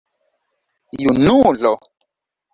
junulo